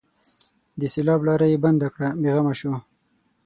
د سېلاب لاره یې بنده کړه؛ بې غمه شو.